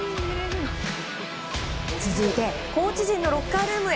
続いてコーチ陣のロッカールームへ。